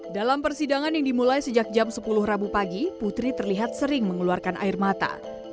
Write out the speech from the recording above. dalam persidangan yang dimulai sejak jam sepuluh rabu pagi putri terlihat sering mengeluarkan air mata